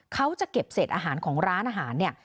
เขาจะเก็บเศษอาหารของร้านอาหารเนี่ย